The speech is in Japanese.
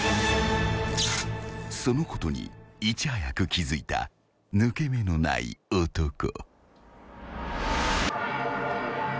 ［そのことにいち早く気付いた抜け目のない男］